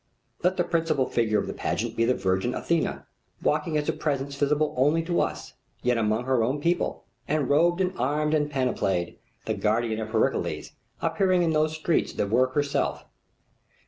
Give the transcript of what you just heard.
Let the principal figure of the pageant be the virgin Athena, walking as a presence visible only to us, yet among her own people, and robed and armed and panoplied, the guardian of Pericles, appearing in those streets that were herself.